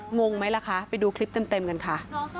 งงไหมล่ะคะไปดูคลิปเต็มกันค่ะ